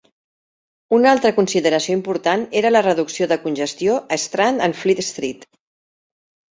Una altra consideració important era la reducció de congestió a Strand and Fleet Street.